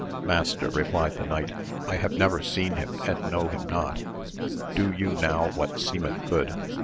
Master, replied the knight, I have never seen him and know him not ; do you now what seemeth good.